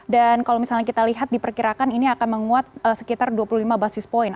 dan kalau misalnya kita lihat diperkirakan ini akan menguat sekitar dua puluh lima basis point